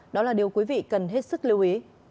đó là điều quý vị cần hết sức lưu ý